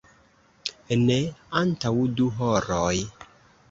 Ne antaŭ du horoj.